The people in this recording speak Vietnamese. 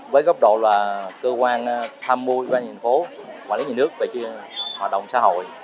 với gốc độ là cơ quan tham mưu cơ quan nhà nước hoàn lý nhà nước về hoạt động xã hội